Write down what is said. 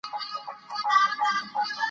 وادي د افغانستان د ښاري پراختیا سبب کېږي.